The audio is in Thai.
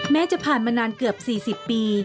จะผ่านมานานเกือบ๔๐ปี